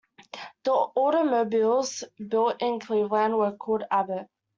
The automobiles built in Cleveland were called Abbott.